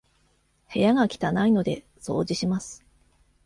部屋が汚いので、掃除します。